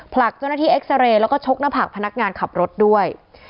ผลักเจ้าหน้าที่เอ็กซาเรย์แล้วก็ชกหน้าผากพนักงานขับรถด้วย